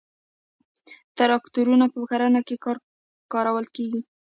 تراکتورونه په کرنه کې کارول کیږي